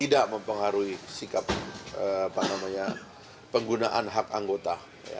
tidak mempengaruhi sikap penggunaan hak anggota